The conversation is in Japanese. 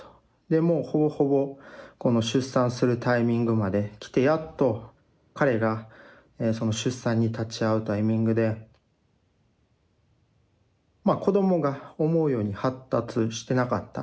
もうほぼほぼこの出産するタイミングまで来てやっと彼がその出産に立ち会うタイミングで子どもが思うように発達してなかった。